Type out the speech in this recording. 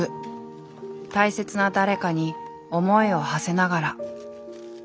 大切な誰かに思いをはせながら。